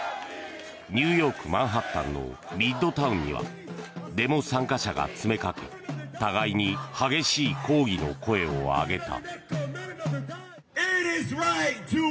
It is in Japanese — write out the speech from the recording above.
ニューヨーク・マンハッタンのミッドタウンにはデモ参加者が詰め掛け互いに激しい抗議の声を上げた。